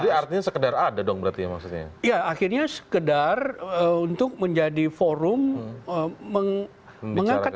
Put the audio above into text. jadi artinya sekedar ada dong berarti maksudnya ya akhirnya sekedar untuk menjadi forum mengangkat